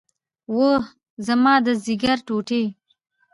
اوه زما د ځيګر ټوټې.